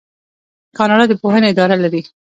کاناډا د پوهنې اداره لري.